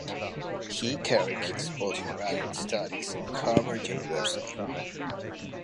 He carried his post-graduate studies in Harvard University.